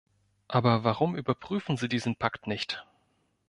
Aber warum überprüfen Sie diesen Pakt nicht?